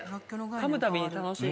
噛むたびに楽しい。